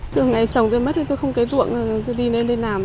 từ ngày chồng tôi mất tôi không kế ruộng tôi đi nơi nằm